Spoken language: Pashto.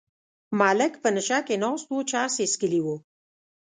ملک په نشه کې ناست و چرس یې څکلي وو.